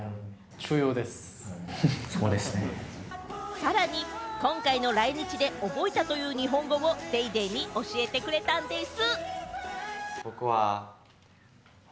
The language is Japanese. さらに今回の来日で覚えたという日本語を『ＤａｙＤａｙ．』に教えてくれたんでぃす。